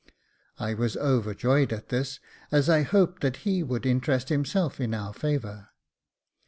I was overjoyed at this, as I hoped that he would interest himself in our favour.